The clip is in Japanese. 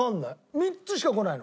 ３つしかこないの。